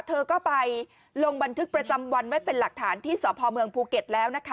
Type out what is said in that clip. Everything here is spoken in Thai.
เธอก็ไปลงบันทึกประจำวันไว้เป็นหลักฐานที่สพเมืองภูเก็ตแล้วนะคะ